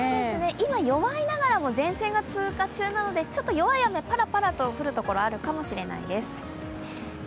今、弱いながらも前線が通過中なので弱い雨、パラパラ降るところあるかもしれないです。